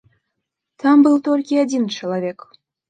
Там быў толькі адзін чалавек.